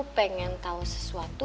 pengen tahu sesuatu